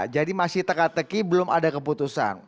jadi masih teka teki belum ada keputusan